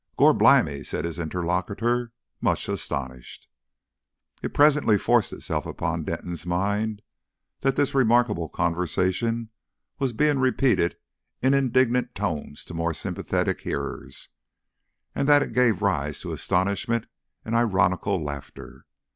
"Gorblimey!" said his interlocutor, much astonished. It presently forced itself upon Denton's mind that this remarkable conversation was being repeated in indignant tones to more sympathetic hearers, and that it gave rise to astonishment and ironical laughter.